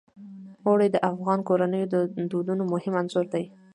اوړي د افغان کورنیو د دودونو مهم عنصر دی.